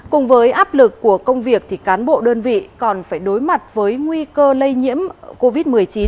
cùng với áp lực của công việc thì cán bộ đơn vị còn phải đối mặt với nguy cơ lây nhiễm covid một mươi chín